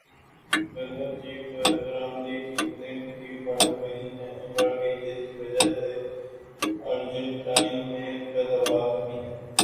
گندم کی برمدی قیمتیں بھی بڑھ گئیں جس کی وجہ سے ارجنٹائن میں پیداواری کمی ہے